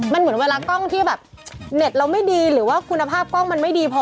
มันเหมือนเวลากล้องที่แบบเน็ตเราไม่ดีหรือว่าคุณภาพกล้องมันไม่ดีพอ